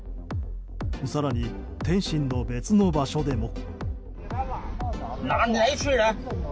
更に天津の別の場所でも。